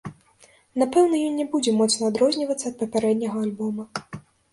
Напэўна, ён не будзе моцна адрознівацца ад папярэдняга альбома.